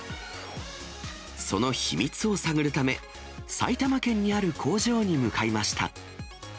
その秘密を探るため、埼玉県にある工場に向かいました。